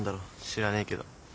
知らねえけど。